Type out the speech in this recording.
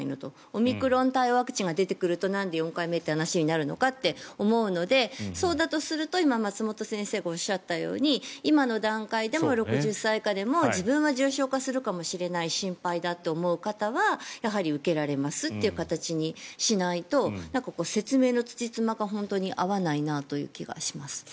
オミクロン対応ワクチンが出てくるとなんで４回目という話になるのかって思うのでそうだとすると今、松本先生がおっしゃったように今の段階でも６０歳以下でも自分は重症化するかもしれない心配だって思う方は受けられますという形にしないと説明のつじつまが本当に合わない気がします。